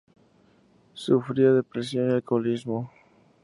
Sufría depresión y alcoholismo.